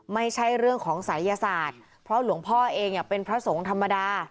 ไม่ใช่เรื่องของศัยยศาสตร์เพราะหลวงพ่อเองเป็นพระสงฆ์ธรรมดา